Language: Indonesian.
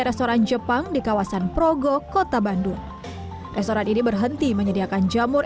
restoran jepang di kawasan progo kota bandung restoran ini berhenti menyediakan jamur